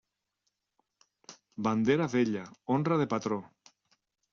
Bandera vella, honra de patró.